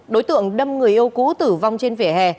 đối tượng đâm người yêu cũ tử vong trên vỉa hè